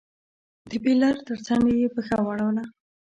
د بېلر تر څنډې يې پښه واړوله.